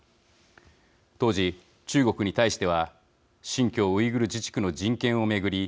当時、中国に対しては新疆ウイグル自治区の人権を巡り